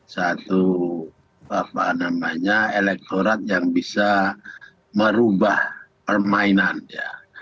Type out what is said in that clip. satu apa namanya elektorat yang bisa merubah permainannya